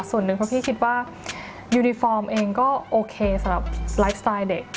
ส่วนหนึ่งเพราะพี่คิดว่ายูนิฟอร์มเองก็โอเคสำหรับไลฟ์สไตล์เด็ก